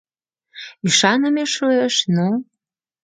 — Ӱшаныме шуэш, но...